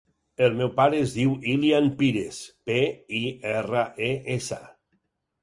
El meu pare es diu Ilyan Pires: pe, i, erra, e, essa.